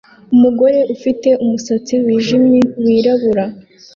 Umugore ufite umusatsi wijimye wirabura